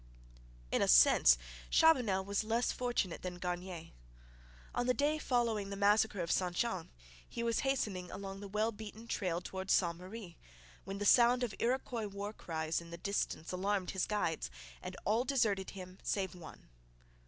In a sense Chabanel was less fortunate than Garnier. On the day following the massacre of St Jean he was hastening along the well beaten trail towards Ste Marie, when the sound of Iroquois war cries in the distance alarmed his guides, and all deserted him save one.